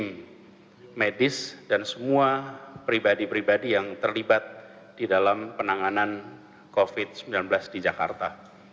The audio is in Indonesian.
kami medis dan semua pribadi pribadi yang terlibat di dalam penanganan covid sembilan belas di jakarta